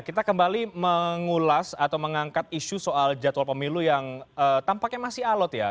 kita kembali mengulas atau mengangkat isu soal jadwal pemilu yang tampaknya masih alot ya